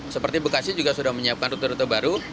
seperti bekasi juga sudah menyiapkan rute rute baru